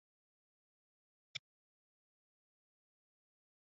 那么首先要去密西西比州汉考克县！